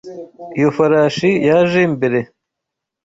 Iyo farashi yaje mbere.